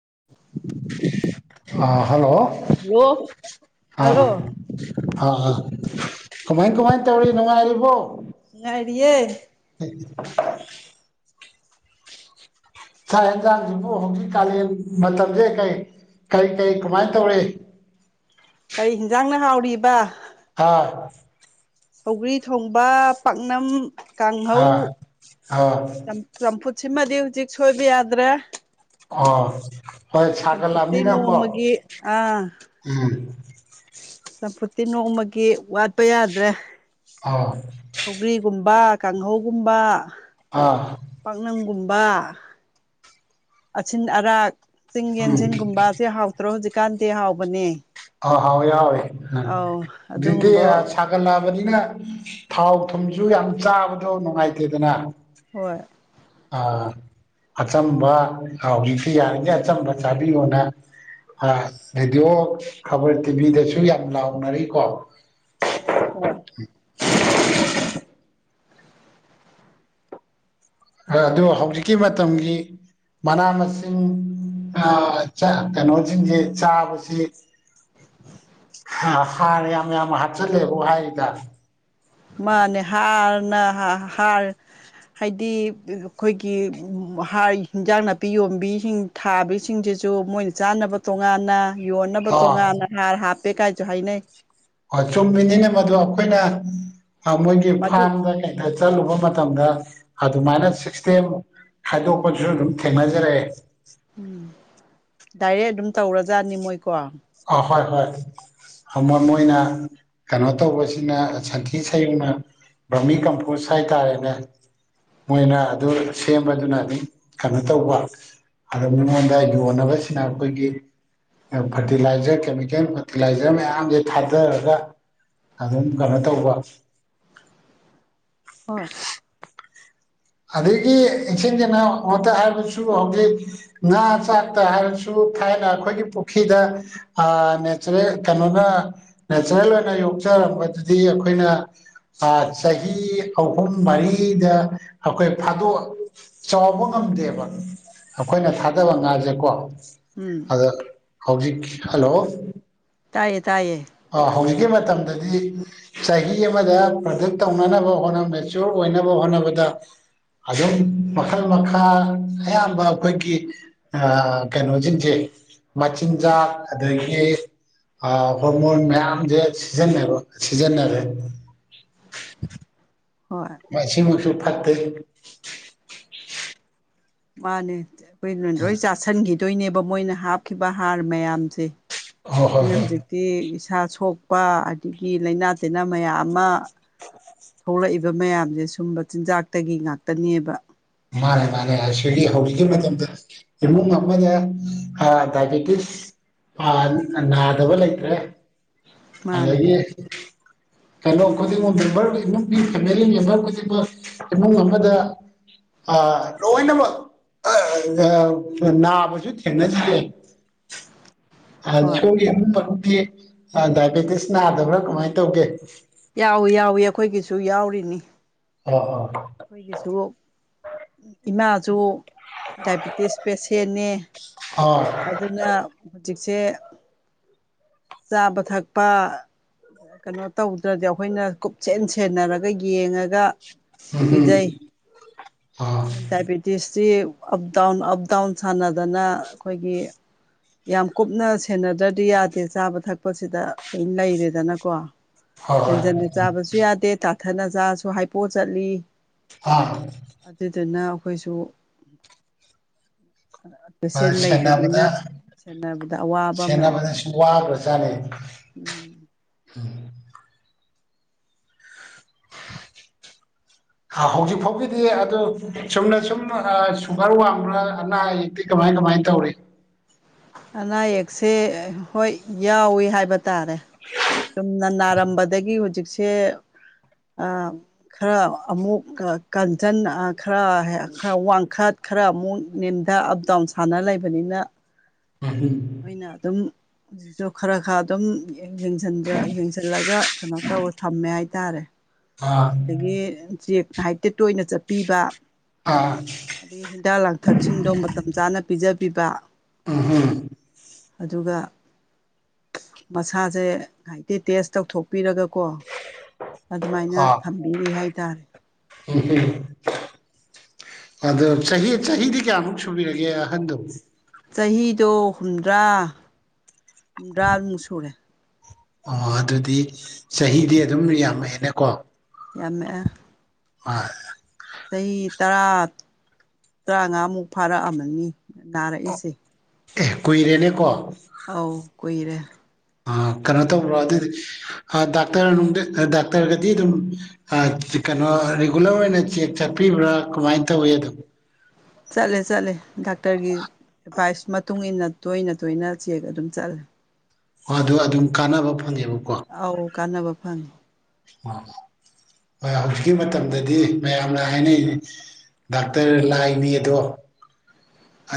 [inaudible] ꯍꯥ hello hello ꯍꯥ hello ꯍꯥ ꯀꯃꯥꯏ ꯀꯃꯥꯏ ꯇꯧꯔꯤ ꯅꯨꯡꯉꯥꯏꯔꯤꯕꯣ ꯅꯨꯉꯥꯢꯔꯤꯌꯦ [unintelligible] ꯆꯛ ꯢꯟꯖꯥꯡꯏꯖꯤꯕꯨ ꯍꯧꯖꯤꯛ ꯀꯥꯂꯦꯟ ꯃꯇꯝꯖꯦ ꯀꯩ ꯀꯩ ꯀꯩ ꯀꯃꯥꯏꯅ ꯇꯧꯔꯤ ꯀꯔꯤ ꯍꯤꯟꯖꯥꯡꯅ ꯍꯥꯎꯔꯤꯕ ꯍꯥ ꯁꯧꯒ꯭ꯔꯤ ꯊꯣꯡꯕ ꯄꯥꯛꯅꯝ ꯀꯥꯡꯍꯧ ꯑꯥ ꯑꯥ ꯆꯝ ꯆꯝꯐꯨꯠꯁꯤꯃꯗꯤ ꯍꯧꯖꯤꯛ ꯁꯣꯏꯕ ꯌꯥꯗ꯭ꯔꯦ ꯑꯣ ꯍꯣꯏ ꯆꯝꯐꯨꯠꯇꯤ ꯁꯥꯒꯠꯂꯛꯑꯕꯅꯤꯅꯀꯣ ꯅꯣꯡꯃꯒꯤ ꯑꯥ ꯎꯝ ꯆꯝꯐꯨꯠꯇꯤ ꯅꯣꯡꯃꯒꯤ ꯋꯥꯠꯄ ꯌꯥꯗ꯭ꯔꯦ ꯑꯥ ꯕ ꯀꯥꯡꯍꯧꯒꯨꯝꯕ ꯑꯥ ꯄꯥꯛꯅꯝꯒꯨꯝ ꯕ ꯑꯁꯤꯟ ꯑꯔꯥꯛ ꯆꯤꯡ ꯎꯝ ꯌꯦꯟꯁꯤꯟꯒꯨꯝꯕ ꯖꯦ ꯍꯥꯎꯇ꯭ꯔꯣ ꯍꯧꯖꯤꯛ ꯀꯥꯟꯗꯦ ꯍꯥꯎꯕꯅꯦ ꯑꯥ ꯍꯥꯎꯋꯦ ꯍꯥꯎꯋꯦ ꯑꯧ ꯍꯧꯖꯤꯛꯇꯤ ꯑꯗꯨꯒꯨꯝꯕ ꯁꯥꯒꯠꯂꯛꯑꯕꯅꯤꯅ ꯊꯥꯎ ꯊꯨꯝꯁꯨ ꯌꯥꯝ ꯆꯥꯕꯗꯣ ꯅꯨꯡꯉꯥꯏꯇꯦꯗꯅ ꯍꯣꯏ ꯑꯥ ꯑꯆꯝꯕ ꯍꯧꯖꯤꯛꯇꯤ ꯌꯥꯔꯤꯉꯩ ꯑꯆꯝꯕ ꯆꯥꯕꯤꯌꯣꯅ ꯑꯥ ꯔꯦꯗꯤꯑꯣ ꯈꯕꯔ ꯇꯤꯚꯤꯗꯁꯨ ꯌꯥꯝ ꯂꯥꯎꯅꯔꯤꯀꯣ ꯍꯣꯏ ꯑꯥ ꯑꯗꯣ ꯍꯧꯖꯤꯛꯀꯤ ꯃꯇꯝꯒꯤ ꯃꯅꯥ ꯃꯁꯤꯡ ꯑꯥ ꯆ ꯀꯩꯅꯣꯁꯤꯡꯁꯦ ꯆꯥꯕꯁꯦ ꯍꯥ ꯍꯥꯔ ꯌꯥꯝ ꯌꯥꯝ ꯍꯥꯞꯆꯜꯂꯦꯕꯨ ꯍꯥꯏꯔꯤꯗ ꯃꯥꯅꯦ ꯍꯥꯔꯅ ꯍꯥ ꯍꯥꯔ ꯍꯥꯏꯗꯤ ꯑꯩꯈꯣꯏꯒꯤ ꯍꯥ ꯍꯤꯟꯖꯥꯡ ꯅꯥꯄꯤ ꯌꯣꯟꯕꯤꯁꯤꯡ ꯊꯥꯕꯤꯁꯤꯡꯖꯦ ꯁꯨ ꯃꯣꯏꯅ ꯆꯥꯅꯕ ꯇꯣꯉꯥꯟꯅ ꯌꯣꯟꯅꯕ ꯑꯣ ꯇꯣꯉꯥꯟꯅ ꯍꯥꯔ ꯍꯥꯞꯄꯦ ꯀꯥꯏꯁꯨ ꯍꯥꯏꯅꯩ ꯍꯣꯏ ꯆꯨꯝꯃꯤꯅꯤꯅꯦ ꯃꯗꯨ ꯑꯩꯈꯣꯏꯅ ꯑꯥ ꯃꯣꯏꯒꯤ ꯃꯗꯨ ꯐꯥꯝꯗ ꯀꯩꯗ ꯆꯠꯂꯨꯕ ꯃꯇꯝꯗ ꯑꯗꯨꯃꯥꯏꯅ ꯁꯤꯁꯇꯦꯝ ꯈꯥꯏꯗꯣꯛꯄꯁꯨ ꯑꯗꯨꯝ ꯊꯦꯡꯅꯖꯔꯛꯑꯦ ꯎꯝ ꯗꯥꯏꯔꯦꯛ ꯑꯗꯨꯝ ꯇꯧꯔꯖꯥꯠꯅꯤ ꯃꯣꯏꯀꯣ ꯑ ꯍꯣꯏ ꯍꯣꯏ ꯑꯃ ꯃꯣꯏꯅ ꯀꯩꯅꯣ ꯇꯧꯕꯁꯤꯅ ꯁꯟꯊꯤ ꯁꯩꯌꯨꯡꯅ ꯕꯔꯃꯤ ꯀꯝꯄꯣꯁ ꯍꯥꯏꯇꯥꯔꯦꯅꯦ ꯃꯣꯏꯅ ꯑꯗꯨ ꯁꯦꯝꯕꯗꯨꯅꯅꯤ ꯀꯩꯅꯣ ꯇꯧꯕ ꯑꯗꯣ ꯃꯤꯉꯣꯟꯗ ꯌꯣꯟꯅꯕꯁꯤꯅ ꯑꯩꯈꯣꯏꯒꯤ ꯐꯔꯇꯤꯂꯥꯏꯖꯔ ꯀꯦꯃꯤꯀꯦꯜ ꯐꯔꯇꯤꯂꯥꯏꯖꯔ ꯃꯌꯥꯝꯁꯦ ꯊꯥꯗꯔꯒ ꯑꯗꯨꯝ ꯀꯩꯅꯣ ꯇꯧꯕ ꯍꯣꯏ ꯑꯗꯒꯤ ꯏꯁꯦꯡ ꯁꯦꯡꯅ ꯑꯃꯨꯛꯇ ꯍꯥꯏꯔꯁꯨ ꯍꯧꯖꯤꯛ ꯉꯥ ꯆꯥꯛꯇ ꯍꯥꯏꯔꯁꯨ ꯊꯥꯏꯅ ꯑꯩꯈꯣꯏꯒꯤ ꯄꯨꯈ꯭ꯔꯤꯗ ꯑ ꯅꯆꯔꯦꯜ ꯀꯩꯅꯣꯅ ꯅꯦꯆꯔꯦꯜ ꯑꯣꯏꯅ ꯌꯣꯛ ꯌꯣꯛꯆꯔꯝꯕꯗꯨꯗꯤ ꯑꯩꯈꯣꯏꯅ ꯆꯍꯤ ꯑꯍꯨꯝ ꯃꯔꯤꯗ ꯑꯩꯈꯣꯏ ꯐꯥꯗꯣꯛ ꯆꯥꯎꯕ ꯉꯝꯗꯦꯕ ꯑꯩꯈꯣꯏꯅ ꯊꯥꯗꯕ ꯉꯥꯖꯦꯀꯣ ꯎꯝ ꯑꯗ ꯍꯧꯖꯤꯛꯀꯤ ꯍꯜꯂꯣ ꯇꯥꯏꯌꯦ ꯇꯥꯏꯌꯦ ꯑꯥ ꯍꯧꯖꯤꯛꯀꯤ ꯃꯇꯝ ꯃꯇꯝꯗꯗꯤ ꯆꯍꯤ ꯑꯃꯗ ꯄ꯭ꯔꯗꯛ ꯇꯧꯅꯅꯕ ꯍꯣꯠꯅꯕ ꯃꯦꯆꯤꯑꯣꯔ ꯑꯣꯏꯅꯕ ꯍꯣꯠꯅꯕꯗ ꯑꯗꯨꯝ ꯃꯈꯜ ꯃꯈꯥ ꯑꯌꯥꯝꯕ ꯑꯩꯈꯣꯏꯒꯤ ꯑꯥ ꯀꯩꯅꯣꯖꯤꯡꯖꯦ ꯃꯆꯤꯟ ꯖꯥꯛ ꯑꯗꯩꯒꯤ ꯑꯥ ꯍꯣꯔꯃꯣꯟ ꯃꯌꯥꯝꯖꯦ ꯁꯤꯖꯤꯟꯅꯕ ꯁꯤꯖꯤꯟꯅꯔꯦ ꯍꯣꯏ ꯃꯁꯤ ꯃꯛꯁꯨ ꯐꯠꯇꯦ ꯃꯥꯅꯦ ꯑꯩꯈꯣꯏꯅ ꯂꯣꯏ ꯆꯥꯥꯁꯟꯈꯤꯗꯣꯏꯅꯦꯕ ꯃꯣꯏꯅ ꯍꯥꯞꯈꯤꯕ ꯍꯥꯔ ꯃꯌꯥꯝꯁꯦ ꯍꯣꯏ ꯍꯣꯏ ꯁꯤꯅ ꯍꯣꯏ ꯍꯧꯖꯤꯛꯇꯤ ꯏꯁꯥ ꯁꯣꯛꯄ ꯑꯗꯒꯤ ꯂꯩꯥꯅꯥ ꯇꯤꯟꯅꯥ ꯃꯌꯥꯝ ꯑꯃ ꯊꯣꯛꯂꯛꯏꯕ ꯃꯌꯥꯝꯖꯦ ꯁꯨꯝꯕ ꯆꯤꯟꯖꯥꯛꯇꯒꯤ ꯉꯥꯛꯇꯅꯦꯕ ꯃꯥꯅꯦ ꯃꯥꯅꯦ ꯑꯁꯤꯒꯤ ꯍꯧꯖꯤꯛꯀꯤ ꯃꯇꯝꯗ ꯏꯃꯨꯡ ꯑꯃꯗ ꯑ ꯗꯥꯏꯕꯦꯇꯤꯁ ꯑ ꯅꯥꯗꯕ ꯂꯩꯇ꯭ꯔꯦ ꯃꯥꯅꯦ ꯑꯗꯒꯤ ꯀꯦꯂꯣ ꯈꯨꯗꯤꯡꯃꯛ ꯃꯦꯝꯕꯔ ꯏꯃꯨꯡꯒꯤ ꯐꯦꯃꯤꯂꯤ ꯃꯦꯝꯕꯔ ꯈꯨꯗꯤꯡꯃꯛ ꯏꯃꯨꯡ ꯑꯃꯗ ꯑꯥ ꯂꯣꯏꯅꯃꯛ ꯑꯥ ꯉꯥ ꯅꯥꯕꯖꯨ ꯊꯦꯡꯅꯗ꯭ꯔꯦ ꯍꯣꯏ ꯁꯣꯏ ꯑꯗꯨꯛꯇꯗꯤ ꯗꯥꯏꯕꯦꯇꯤꯁ ꯅꯥꯗꯕ꯭ꯔꯥ ꯀꯃꯥꯏꯅ ꯇꯧꯒꯦ ꯌꯥꯎꯏ ꯌꯥꯎꯏ ꯑꯩꯈꯣꯏꯒꯤꯁꯨ ꯌꯥꯎꯔꯤꯅꯤ ꯑꯣ ꯍꯣꯏ ꯑꯩꯈꯣꯏꯒꯤꯁꯨ ꯏꯃꯥꯁꯨ ꯗꯥꯏꯕꯤꯇꯤꯁ ꯄꯦꯁꯦꯟꯅꯦ ꯑꯣ ꯍꯣꯏ ꯑꯗꯨꯅ ꯍꯧꯖꯤꯛꯁꯦ ꯆꯥꯕ ꯊꯛꯄ ꯀꯩꯅꯣ ꯇꯧꯗ꯭ꯔꯗꯤ ꯑꯩꯈꯣꯏꯅ ꯀꯨꯞꯆꯦꯟ ꯁꯦꯟꯅꯔꯒ ꯌꯦꯡꯉꯒ ꯕꯤꯖꯩ ꯎꯝ ꯑ ꯗꯗꯥꯏꯕꯤꯦꯇꯤꯁ ꯁꯤ ꯑꯞ ꯗꯥꯎꯟ ꯑꯞ ꯗꯥꯎꯟ ꯁꯥꯟꯅꯗꯅ ꯑꯩꯈꯣꯏꯒꯤ ꯌꯥꯝ ꯀꯨꯞꯅ ꯁꯦꯟꯅꯗ꯭ꯔꯗꯤ ꯌꯥꯗꯦ ꯆꯥꯕ ꯊꯛꯄꯁꯤꯗ ꯂꯣꯏ ꯂꯩꯔꯦꯗꯅꯀꯣ ꯍꯣꯏ ꯍꯦꯟꯖꯟꯅ ꯆꯥꯕꯁꯨ ꯌꯥꯗꯦ ꯇꯥꯊꯅ ꯆꯥꯁꯨ ꯍꯥꯏꯄꯣꯑ ꯆꯠꯂꯤ ꯍꯣꯏ ꯑꯗꯨꯗꯨꯅ ꯑꯩꯈꯣꯏꯁꯨ ꯑꯥ ꯄꯦꯁꯦꯟ ꯁꯦꯟꯅꯕꯗ ꯂꯩꯕꯅꯤꯅ ꯁꯦꯟꯅꯕꯗ ꯑꯋꯥꯕ ꯑꯃꯅꯤ ꯁꯦꯟꯅꯕꯗꯁꯨ ꯋꯥꯕ꯭ꯔ ꯖꯥꯠꯅꯤ [inaudible] ꯎꯝ [inaudible] ꯍ ꯍꯧꯖꯤꯛ ꯐꯥꯎꯒꯤꯗꯤ ꯑꯗꯨ ꯆꯨꯝꯅ ꯁꯨꯝ ꯑ ꯁꯨꯒꯔ ꯋꯥꯡꯕ꯭ꯔ ꯑꯅꯥ ꯑꯌꯦꯛꯇꯤ ꯀꯃꯥꯏ ꯀꯃꯥꯏ ꯀꯃꯥꯏ ꯇꯧꯔꯤ ꯑꯅꯥ ꯌꯦꯛꯁꯦ ꯍꯣꯏ ꯌꯥꯎꯋꯤ ꯍꯥꯏꯕ ꯇꯥꯔꯦ ꯆꯨꯝꯅ ꯅꯥꯔꯝꯕꯗꯒꯤ ꯍꯨꯖꯤꯛꯁꯦ ꯑ ꯈꯔ ꯑꯃꯨꯛ ꯀꯟꯖꯟ ꯑ ꯈꯔ ꯍꯦ ꯈꯔ ꯋꯥꯡꯈꯠ ꯈꯔ ꯑꯃꯨꯛ ꯅꯦꯝ ꯗ ꯑꯞ ꯗꯥꯎꯟ ꯁꯥꯟꯅ ꯂꯩꯕꯅꯤꯅ ꯎꯝ ꯍꯣꯏꯅ ꯑꯗꯨꯝ ꯍꯨꯖꯤꯛꯁꯨ ꯈꯔ ꯈꯔ ꯑꯗꯨꯝ ꯌꯦꯡꯖꯟꯖ ꯌꯦꯡꯖꯜꯂꯒ ꯀꯩꯅꯣ ꯇꯧ ꯊꯝꯃꯦ ꯍꯥꯏꯇꯥꯔꯦ ꯑꯥ ꯑꯗꯒꯤ ꯆꯦꯛ ꯉꯥꯛꯍꯩꯇ ꯇꯣꯏꯅ ꯆꯠꯄꯤꯕ ꯑꯥ ꯑꯗꯒꯤ ꯍꯤꯗꯥꯛ ꯂꯥꯡꯊꯛꯁꯤꯡꯗꯣ ꯃꯇꯝ ꯆꯥꯅ ꯄꯤꯖꯕꯤꯕ ꯑ ꯍꯝ ꯑꯗꯨꯒ ꯃꯁꯥꯁꯦ ꯉꯥꯏꯍꯩꯇ ꯇꯦꯁ ꯇꯧꯊꯣꯛꯄꯤꯔꯒꯀꯣ ꯑꯗꯨꯃꯥꯏꯅ ꯊꯝꯕꯤꯔꯤ ꯍꯥꯏꯇꯔꯦ [unintelligible] ꯑꯗꯣ ꯆꯍꯤ ꯆꯍꯤꯗꯤ ꯀꯌꯥꯃꯨꯛ ꯁꯨꯕꯤꯔꯒꯦ ꯑꯍꯟꯗꯣ ꯆꯍꯤꯗꯣ ꯍꯨꯝꯗ꯭ꯔꯥ ꯍꯨꯝꯗ꯭ꯔꯥꯃꯨꯛ ꯁꯨꯔꯦ ꯑꯣ ꯑꯗꯨꯗꯤ ꯆꯍꯤꯗꯤ ꯑꯗꯨꯝ ꯌꯥꯝꯃꯛꯑꯦꯅꯦꯀꯣ ꯌꯥꯝꯃꯛꯑꯦ [unintelligible] ꯆꯍꯤ ꯇꯔꯥ ꯇ꯭ꯔꯥꯉꯥꯃꯨꯛ ꯐꯥꯔꯛꯑꯝꯃꯅꯤ ꯅꯥꯔꯛꯏꯁꯦ ꯑꯦ ꯀꯨꯏꯔꯦꯅꯦ ꯀꯣ ꯑꯧ ꯀꯨꯏꯔꯦ ꯑ ꯀꯩꯅꯣ ꯇꯧꯕ꯭ꯔꯣ ꯑꯗꯨꯅ ꯑꯗꯨꯗꯤ ꯑ ꯗꯥꯛꯇꯔ ꯅꯨꯡ ꯗꯥꯛꯇꯔꯒꯗꯤ ꯑꯗꯨꯝ ꯑ ꯀꯅꯣ ꯔꯤꯒꯨꯂꯔ ꯑꯣꯏꯅ ꯆꯦꯛ ꯆꯠꯄꯤ ꯕ꯭ꯔ ꯀꯃꯥꯏꯅ ꯇꯧꯋꯤ ꯑꯗꯨꯝ ꯆꯠꯂꯦ ꯆꯠꯂꯦ ꯗꯥꯛꯇꯔꯒꯤ ꯑꯦꯚꯥꯏꯁ ꯃꯇꯨꯡ ꯏꯟꯅ ꯇꯣꯏꯅ ꯇꯣꯏꯅ ꯆꯦꯛ ꯑꯗꯨꯝ ꯆꯠꯂꯦ ꯑꯗꯨ ꯑꯗꯨꯝ ꯀꯥꯟꯅꯕ ꯐꯪꯉꯦꯕꯀꯣ ꯑꯧ ꯀꯥꯟꯅꯕ ꯐꯪꯉꯤ ꯑꯣ ꯍꯣꯏ ꯍꯧꯖꯤꯛꯀꯤ ꯃꯇꯝꯗꯗꯤ ꯃꯌꯥꯝꯅ ꯍꯥꯏꯅꯩ ꯗꯥꯛꯇꯔ ꯂꯥꯏꯅꯤ ꯑꯗꯣ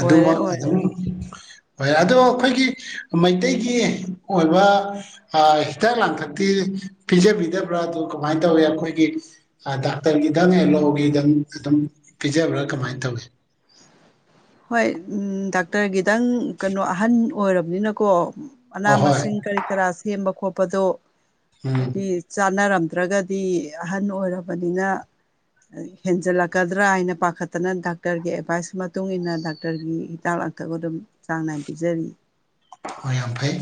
ꯑꯣꯏꯔꯦ ꯑꯣꯏꯔꯦ ꯑꯗꯨꯝ ꯍꯣꯏ ꯑꯗꯣ ꯑꯩꯈꯣꯏꯒꯤ ꯃꯩꯇꯩꯒꯤ ꯑꯣꯏꯕ ꯍꯤꯗꯥꯛ ꯂꯥꯡꯊꯛꯇꯤ ꯄꯤꯖꯕꯤꯗꯕ꯭ꯔꯥ ꯑꯗꯨ ꯀꯃꯥꯏ ꯇꯧꯋꯤ ꯑꯩꯈꯣꯏꯒꯤ ꯗꯥꯛꯇꯔꯒꯤꯗꯪ ꯑꯦꯂꯣꯒꯤꯗꯪ ꯗꯪ ꯄꯤꯖꯕ꯭ꯔꯥ ꯀꯃꯥꯏ ꯇꯧꯋꯤ ꯍꯣꯏ ꯗꯥꯛꯇꯔꯒꯤꯗꯪ ꯀꯩꯅꯣ ꯑꯍꯟ ꯑꯣꯏꯔꯕꯅꯤꯅꯀꯣ ꯃꯅꯥ ꯑꯍꯣꯏ ꯃꯁꯤꯡ ꯀꯔꯤ ꯀꯔꯥ ꯁꯦꯝꯕ ꯈꯣꯠꯄꯗꯣ ꯎꯝ ꯍꯥꯏꯗꯤ ꯆꯥꯅꯔꯝ ꯗ꯭ꯔꯒꯗꯤ ꯑꯍꯟ ꯑꯣꯏꯔꯕꯅꯤꯅ ꯍꯦꯟꯖꯜꯂꯛꯀꯗ꯭ꯔ ꯍꯥꯏꯅ ꯄꯈꯠꯇꯅ ꯗꯥꯛꯇꯔꯒꯤ ꯑꯦꯗꯚꯥꯏꯁ ꯃꯇꯨꯡ ꯏꯟꯅ ꯗꯥꯛꯇꯔꯒꯤ ꯍꯤꯗꯥꯛ ꯂꯥꯡꯊꯛ ꯑꯗꯨꯝ ꯆꯥꯡ ꯅꯥꯏꯅ ꯄꯤꯖꯔꯤ ꯍꯣ ꯌꯥꯝ ꯐꯩ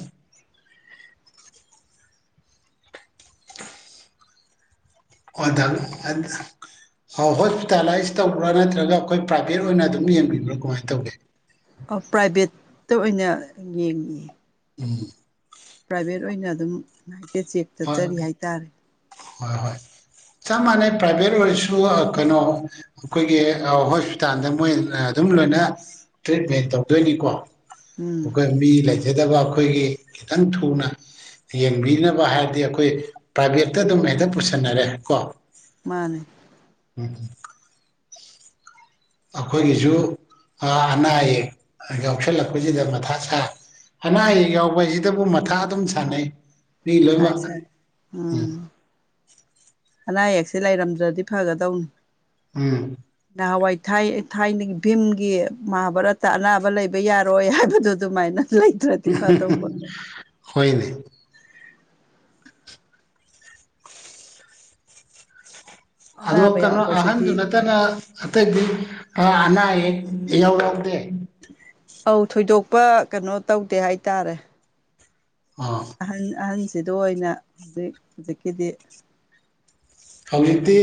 [unintelligible] ꯑꯧ ꯍꯣꯁꯄꯤꯇꯂꯥꯏꯁ ꯇꯧꯕ꯭ꯔꯥ ꯅꯠꯇ꯭ꯔꯒ ꯑꯩꯈꯣꯏ ꯄ꯭ꯔꯥꯏꯚꯦꯠ ꯑꯣꯏꯅ ꯑꯗꯨꯝ ꯌꯦꯡꯕꯤꯕ꯭ꯔ ꯀꯨꯃꯥꯏ ꯇꯧꯒꯦ ꯑ ꯄ꯭ꯔꯥꯏꯚꯦꯠꯇ ꯑꯣꯏꯅ ꯌꯦꯡꯉꯦ [inaudible] ꯑꯗꯨꯝ ꯉꯥꯍꯥꯛꯇ ꯆꯦꯛꯇ ꯍꯣꯏ ꯆꯠꯆꯂꯤ ꯍꯥꯏꯇꯥꯔꯦ ꯍꯣꯏ ꯍꯣꯏ ꯆꯞ ꯃꯥꯟꯅꯩ ꯄ꯭ꯔꯥꯏꯚꯦꯠ ꯑꯣꯏꯔꯁꯨ ꯀꯩꯅꯣ ꯑꯩꯈꯣꯏꯒꯤ ꯍꯣꯁꯄꯤꯇꯥꯜꯗ ꯃꯣꯏ ꯑꯗꯨꯝ ꯂꯣꯏꯅ ꯇ꯭ꯔꯤꯠꯃꯦꯟ ꯇꯧꯗꯣꯏꯅꯤꯀꯣ ꯎꯝ ꯑꯩꯈꯣꯏ ꯃꯤ ꯂꯩꯖꯗꯕ ꯑꯩꯈꯣꯏꯒꯤ ꯈꯤꯇꯪ ꯊꯨꯅ ꯌꯦꯡꯕꯤꯅꯕ ꯍꯥꯏꯔ ꯍꯥꯏꯗꯤ ꯑꯩꯈꯣꯏ ꯄ꯭ꯔꯥꯏꯚꯦꯠꯇ ꯑꯗꯨꯝ ꯍꯦꯛꯇ ꯄꯨꯁꯟꯅꯔꯦ ꯀꯣ ꯃꯥꯅꯦ ꯎꯝ ꯑꯩꯈꯣꯏꯒꯤꯁꯨ ꯑꯅꯥ ꯑꯌꯦꯛ ꯌꯥꯎꯁꯜꯂꯛꯄꯁꯤꯗ ꯃꯊꯥ ꯁꯥ ꯑꯅꯥ ꯑꯌꯦꯛ ꯌꯥꯎꯕꯁꯤꯗꯕꯨ ꯃꯊꯥ ꯑꯗꯨꯝ ꯁꯥꯟꯅꯩ ꯃꯤ ꯁꯥꯏ ꯂꯣꯏꯅꯃꯛ ꯁꯥꯏ ꯎꯝ ꯑꯅꯥ ꯑꯌꯦꯛ ꯁꯤ ꯂꯩꯔꯝꯗ꯭ꯔꯗꯤ ꯐꯒꯗꯧꯅꯤ ꯎꯝ ꯅꯍꯥꯟꯋꯥꯏ ꯊ ꯊꯥꯏꯅꯒꯤ ꯚꯤꯝꯒꯤ ꯃꯍꯥꯚꯥꯔꯠꯇ ꯑꯅꯥꯕ ꯂꯩꯕ ꯌꯥꯔꯣꯏ ꯍꯥꯏꯕꯗꯨ ꯑꯗꯨꯃꯥꯏꯅ ꯂꯩꯇ꯭ꯔꯗꯤ ꯐꯥꯗꯧꯕ ꯍꯣꯏꯅꯦ ꯑꯗꯣ ꯑꯅꯥꯕ ꯀꯩꯅꯣ ꯑꯍꯟꯗꯨ ꯌꯥꯎꯕꯁꯤꯗꯤ ꯅꯠꯇꯅ ꯑꯇꯩꯗꯤ ꯑꯅꯥ ꯑꯌꯦꯛ ꯌꯛ ꯏꯌꯥꯎ ꯌꯥꯎꯗꯦ ꯑꯧ ꯊꯣꯏꯗꯣꯛꯄ ꯀꯩꯅꯣ ꯇꯧꯗꯦ ꯍꯥꯏꯇꯥꯔꯦ ꯑꯣ ꯑꯍꯟ ꯑꯍꯟꯁꯤꯗ ꯑꯣꯏꯅ ꯍꯧꯖꯤꯛ ꯍꯧꯖꯤꯛꯀꯤꯗꯤ ꯍꯧꯖꯤꯛꯇꯤ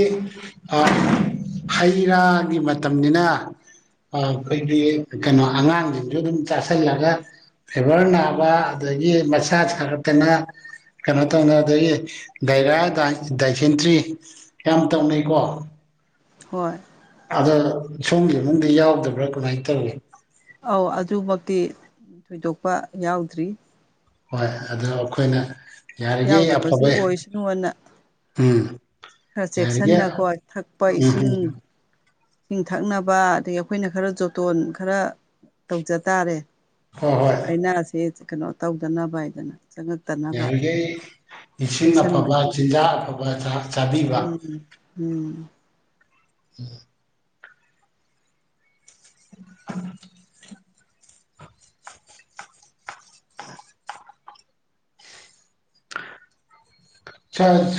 ꯍꯩ ꯔꯥꯒꯤ ꯃꯇꯝꯅꯤꯅ ꯑꯩꯈꯣꯏꯒꯤ ꯀꯩꯅꯣ ꯑꯉꯥꯡꯁꯤꯡꯁꯨ ꯑꯗꯨꯝ ꯆꯥꯁꯤꯜꯂꯒ ꯐꯤꯚꯔ ꯅꯥꯕ ꯑꯗꯒꯤ ꯃꯁꯥ ꯁꯥꯒꯠꯇꯅ ꯀꯩꯅꯣ ꯇꯧꯅ ꯑꯗꯒꯤ ꯗꯥꯏꯔꯥ ꯗꯥꯏꯁꯦꯟꯇ꯭ꯔꯤ ꯌꯥꯝ ꯇꯧꯅꯩꯀꯣ ꯍꯣꯏ ꯑꯗꯣ ꯁꯣꯝꯒꯤ ꯏꯃꯨꯡꯗꯤ ꯌꯥꯎꯗꯕ꯭ꯔꯥ ꯀꯃꯥꯏꯅ ꯇꯧꯏꯤ ꯑꯧ ꯑꯗꯨꯃꯛꯇꯤ ꯊꯣꯏꯗꯣꯛꯄ ꯌꯥꯎꯗ꯭ꯔꯤ ꯍꯣꯏ ꯑꯗꯣ ꯑꯩꯈꯣꯏꯅ ꯌꯥꯔꯤꯈꯩ ꯌꯥꯎꯗꯕꯁꯨ ꯑꯐꯕ ꯑꯣꯏꯁꯅꯨꯑꯅ ꯎꯝ ꯈꯔ ꯌꯥꯔꯤꯈꯩ ꯆꯦꯛꯁꯤꯟꯅꯀꯣ ꯊꯛꯄ ꯎꯝ ꯏꯁꯤꯡ ꯎꯝ ꯁꯤꯡ ꯊꯛꯅꯕ ꯑꯗꯒꯤ ꯑꯩꯈꯣꯏꯅ ꯈꯔ ꯖꯣꯇꯣꯟ ꯈꯔ ꯇꯧꯖ ꯇꯥꯔꯦ ꯍꯣꯏ ꯍꯣꯏ ꯂꯥꯏꯅꯥꯁꯤ ꯀꯩꯅꯣ ꯇꯧꯗꯅꯕ ꯍꯥꯏꯗꯅ ꯆꯪꯉꯛꯇꯅꯕ ꯌꯥꯔꯤꯈꯩ ꯏꯁꯤꯡ ꯆꯦꯛꯁꯤꯟꯕ ꯑꯐꯕ ꯆꯤꯟꯖꯥꯛ ꯑꯐꯕ ꯆꯥꯕꯤꯕ ꯎꯝ ꯎꯝ ꯎꯝ [inaudible]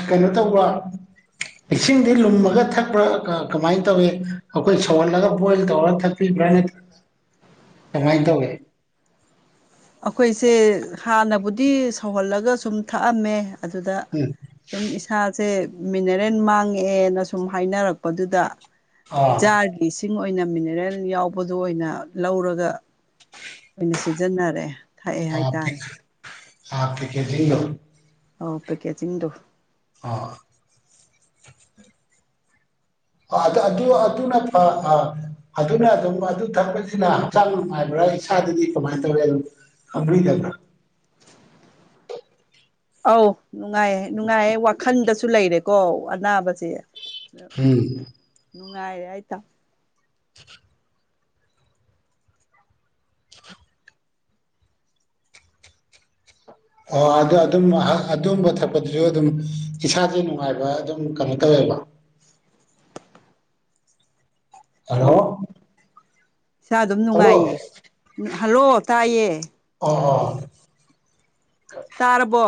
ꯀꯩꯅꯣ ꯇꯧꯕ꯭ꯔꯣ ꯏꯁꯤꯡꯗꯤ ꯂꯨꯝꯃꯒ ꯊꯛꯄ꯭ꯔꯥ ꯀꯃꯥꯏꯅ ꯇꯧꯋꯤ ꯑꯩꯈꯣꯏ ꯁꯧꯍꯜꯂꯒ ꯕꯣꯏꯜ ꯇꯧꯔꯒ ꯊꯛꯄꯤ ꯀꯃꯥꯏꯇꯧꯋꯤ ꯑꯩꯈꯣꯏꯁꯦ ꯍꯥꯟꯅꯕꯨꯗꯤ ꯁꯧꯍꯜꯂꯒ ꯁꯨꯝ ꯊꯛꯑꯝꯃꯦ ꯑꯗꯨꯗ ꯁꯨꯝ ꯏꯁꯥꯁꯦ ꯃꯤꯅꯔꯦꯜ ꯃꯥꯡꯉꯑꯦꯅ ꯁꯨꯝ ꯍꯥꯏꯅꯔꯛꯄ ꯄꯗꯨꯘ ꯎꯝ ꯖꯥꯔꯒꯤ ꯏꯁꯤꯡ ꯃꯣꯏꯅ ꯃꯤꯅꯔꯦꯜ ꯌꯥꯎꯕꯗꯨ ꯑꯣꯏꯅ ꯂꯧꯔꯒ ꯑꯣꯏꯅ ꯁꯤꯖꯤꯟꯅꯔꯦ ꯊꯛꯑꯦ ꯍꯥꯏꯇꯥꯔꯦ ꯍꯥꯐ ꯄꯀꯦꯠꯂꯣ ꯑꯧ ꯄꯦꯀꯦꯖꯤꯡꯗꯣ ꯑꯥ ꯑꯗꯨ ꯑꯗꯨꯅ ꯐ ꯑꯗꯨꯅ ꯑꯗꯨꯝ ꯑꯗꯨ ꯊꯛꯄꯁꯤꯅ ꯍꯛꯆꯥꯡ ꯅꯨꯡꯉꯥꯏꯕ꯭ꯔꯥ ꯏꯁꯥꯗꯗꯤ ꯀꯃꯥꯏꯅ ꯇꯧꯋꯦ ꯑꯗꯨꯝ ꯈꯪꯕꯤꯗꯕ꯭ꯔꯥ ꯑꯧ ꯅꯨꯡꯉꯥꯏꯌꯦ ꯅꯨꯡꯉꯥꯏꯌꯦ ꯋꯥꯈꯟꯗꯁꯨ ꯂꯩꯔꯦꯀꯣ ꯑꯅꯥꯕꯁꯦ ꯎꯝ ꯅꯨꯡꯉꯥꯏꯔꯦ ꯍꯥꯏ ꯇꯥꯏ ꯑꯣ ꯑꯗꯨ ꯑꯗꯨꯝ ꯑꯗꯨꯝꯕ ꯊꯛꯄꯗꯨꯁꯨ ꯑꯗꯨꯝ ꯏꯁꯥꯖꯨ ꯅꯨꯡꯉꯥꯏꯕ ꯑꯗꯨꯝ ꯀꯩꯅꯣ ꯇꯧꯋꯦ ꯀꯩꯕ ꯍꯜꯂꯣ ꯑꯧ ꯏꯁꯥ ꯑꯗꯨꯝ ꯍꯜꯂꯣ ꯅꯨꯡꯉꯥꯏꯌꯦ ꯍꯜꯂꯣ ꯇꯥꯏꯌꯦ ꯑꯣ ꯑꯣ ꯇꯥꯔꯕꯣ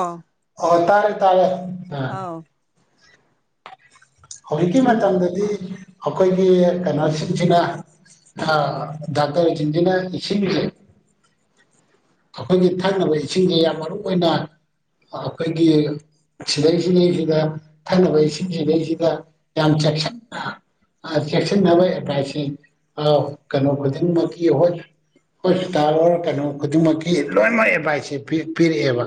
ꯑꯣ ꯇꯥꯔꯦ ꯇꯥꯔꯦ ꯑꯥ ꯑꯥꯎ ꯍꯧꯖꯤꯛꯀꯤ ꯃꯤꯟ ꯃꯇꯝꯗꯗꯤ ꯑꯩꯈꯣꯏꯒꯤ ꯀꯩꯅꯣ ꯁꯤꯡꯁꯤꯅ ꯗꯥꯛꯇꯔ ꯁꯤꯡꯁꯤꯅ ꯏꯁꯤꯡꯖꯦ ꯑꯩꯈꯣꯏꯒꯤ ꯊꯛꯅꯕ ꯏꯁꯤꯡꯁꯦ ꯌꯥꯝ ꯃꯔꯨ ꯑꯣꯏꯅ ꯑꯩꯈꯣꯏꯒꯤ ꯁꯤꯗꯩꯁꯤꯅꯤꯁꯤꯗ ꯊꯛꯅꯕ ꯏꯁꯤꯡꯁꯤꯗꯩꯁꯤꯗ ꯌꯥꯝ ꯆꯦꯛꯁꯤꯟꯅ ꯆꯦꯛꯁꯤꯟꯅꯕ ꯑꯦꯗꯚꯥꯏꯁꯁꯤ ꯀꯩꯅꯣ ꯈꯨꯗꯤꯡꯃꯛꯀꯤ ꯍꯣꯏ ꯍꯣꯁꯄꯤꯇꯥꯜ ꯑꯣꯔ ꯀꯩꯅꯣ ꯈꯨꯗꯤꯡꯃꯛꯀꯤ ꯂꯣꯏꯅꯃꯛ ꯑꯦꯗꯚꯥꯏꯁꯁꯦ ꯄꯤꯔꯛꯑꯦꯕ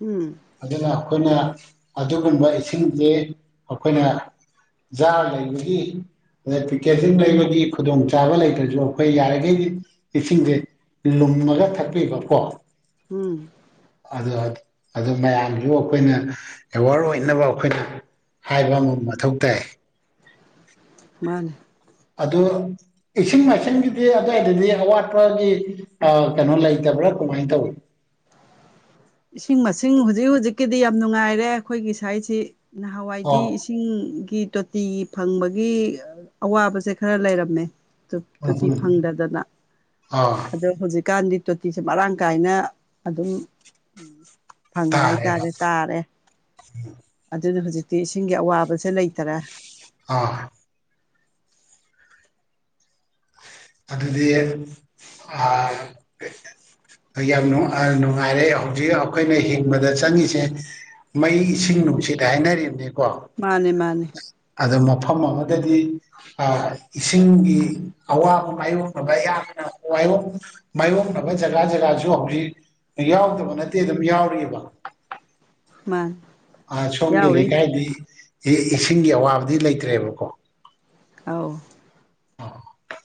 ꯎꯝ ꯑꯗꯨꯅ ꯑꯩꯈꯣꯏꯅ ꯑꯗꯨꯒꯨꯝꯕ ꯏꯁꯤꯡꯁꯦ ꯑꯩꯈꯣꯏꯅ ꯖꯥꯔ ꯂꯩꯕꯒꯤ ꯑꯗꯩ ꯄꯦꯀꯦꯖꯤꯡ ꯂꯩꯕꯒꯤ ꯈꯨꯗꯣꯡꯆꯥꯥꯕ ꯂꯩꯇ꯭ꯔꯁꯨ ꯑꯩꯈꯣꯏ ꯌꯥꯔꯤꯈꯩ ꯏꯁꯤꯡꯁꯦ ꯂꯨꯝꯃꯒ ꯊꯛꯄꯤꯕꯀꯣ ꯎꯝ ꯑꯥ ꯑꯗꯨ ꯃꯌꯥꯝꯁꯨ ꯑꯩꯈꯣꯏꯅ ꯑꯦꯋꯥꯔ ꯑꯣꯏꯅꯕ ꯑꯩꯈꯣꯏꯅ ꯍꯥꯏꯕ ꯑꯃ ꯃꯊꯧ ꯇꯥꯏ ꯃꯥꯅꯦ ꯑꯗꯨ ꯏꯁꯤꯡ ꯃꯥꯏꯁꯤꯡꯒꯤꯗꯤ ꯑꯗꯨꯋꯥꯏꯗꯗꯤ ꯑꯋꯥꯠꯄꯒꯤ ꯀꯩꯅꯣ ꯂꯩꯇꯕ꯭ꯔꯥ ꯀꯃꯥꯏꯅ ꯇꯧꯋꯤ ꯏꯁꯤꯡ ꯃꯁꯤꯡ ꯍꯧꯖꯤꯛ ꯍꯧꯖꯤꯛꯀꯤꯗꯤ ꯌꯥꯝ ꯅꯨꯡꯉꯥꯏꯔꯦ ꯑꯩꯈꯣꯏꯒꯤ ꯁꯥꯏꯁꯤ ꯅꯍꯥꯟꯋꯥꯏꯗꯤ ꯑꯣ ꯏꯁꯤꯡꯒꯤ ꯇꯣꯇꯤ ꯇꯤ ꯐꯪꯕꯒꯤ ꯑꯋꯥꯕꯁꯦ ꯈꯔ ꯂꯩꯔꯝꯃꯦ ꯎꯝ ꯇꯣꯊꯤ ꯎꯝ ꯐꯪꯗꯗꯅ ꯑꯥ ꯑꯗꯣ ꯍꯧꯖꯤꯛꯀꯥꯟꯗꯤ ꯇꯣꯇꯤꯁꯦ ꯃꯔꯥꯡ ꯀꯥꯏꯅ ꯑꯗꯨꯝ ꯐꯪꯉꯦ ꯇꯥꯔꯦꯕ ꯍꯥꯏꯇꯥꯔꯦ ꯇꯥꯔꯦ ꯑꯗꯨꯅ ꯍꯧꯖꯤꯛ ꯇꯤ ꯏꯁꯤꯡꯒꯤ ꯑꯋꯥꯕꯁꯦ ꯂꯩꯇꯔꯦ ꯑꯥ ꯑꯗꯨꯗꯤ ꯑꯥ ꯌꯥꯝ ꯅꯨꯡꯉꯥꯏꯔꯦ ꯍꯧꯖꯤꯛ ꯑꯩꯈꯣꯏꯅ ꯍꯤꯡꯕꯗ ꯆꯪꯉꯤꯁꯦ ꯃꯩ ꯏꯁꯤꯡ ꯅꯨꯡꯁꯤꯠ ꯍꯥꯏꯅꯔꯤꯕꯅꯤꯀꯣ ꯃꯥꯅꯦ ꯃꯥꯅꯦ ꯑꯗꯣ ꯃꯐꯝ ꯑꯃꯗꯗꯤ ꯑꯥ ꯏꯁꯤꯡꯒꯤ ꯑꯋꯥꯕ ꯃꯥꯌꯣꯛꯅꯕ ꯌꯥꯝꯅ ꯃꯥꯏꯌꯣꯛ ꯃꯥꯏꯌꯣꯛꯅꯕ ꯖꯒꯥ ꯖꯒꯥꯁꯨ ꯍꯧꯖꯤꯛ ꯌꯥꯎꯗꯕ ꯅꯠꯇꯦ ꯑꯗꯨꯝ ꯌꯥꯎꯔꯤꯕ ꯃꯥꯅꯦ ꯑꯥ ꯁꯣꯝꯒꯤ ꯌꯥꯎꯔꯤ ꯂꯩꯀꯥꯏꯗꯤ ꯏ ꯏꯁꯤꯡꯒꯤ ꯑꯋꯥꯕꯗꯤ ꯂꯩꯇ꯭ꯔꯦꯕꯀꯣ ꯑꯧ [inaudible]